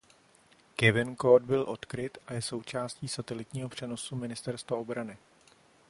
Kevin kód byl odkryt a je součástí satelitního přenosu ministerstva obrany.